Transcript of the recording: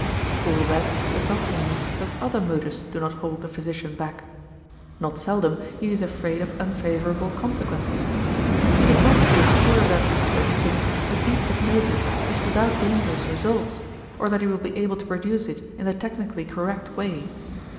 All that does not mean that other motives do not hold the physician back. Not seldom he is afraid of unfavorable consequences. He does not feel sure that, for instance, a deep hypnosis is without dangerous results or that he will be able to produce it in the technically correct way.